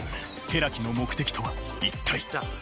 寺木の目的とは一体。